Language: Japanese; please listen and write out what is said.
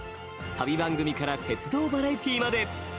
旅番組から鉄道バラエティーまで。